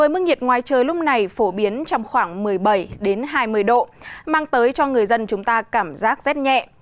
mức nhiệt ngoài trời lúc này phổ biến trong khoảng một mươi bảy hai mươi độ mang tới cho người dân chúng ta cảm giác rét nhẹ